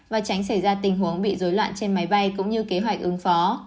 và tránh xảy ra tình huống bị dối loạn trên máy bay cũng như kế hoạch ứng phó